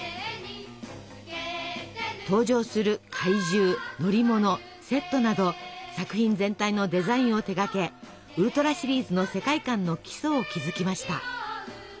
登場する怪獣乗り物セットなど作品全体のデザインを手がけウルトラシリーズの世界観の基礎を築きました。